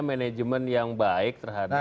manajemen yang baik terhadap